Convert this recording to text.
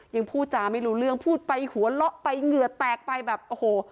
ยังพูดจาไม่รู้เรื่องพูดไปหัวเลาะไปเหงื่อแตกไปแบบโอ้โห